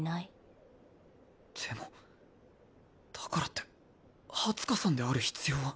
でもだからってハツカさんである必要は。